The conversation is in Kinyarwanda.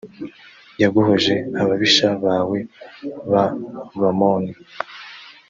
yaguhoje ababisha bawe b abamoni